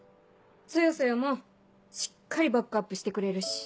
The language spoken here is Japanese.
そよそよもしっかりバックアップしてくれるし。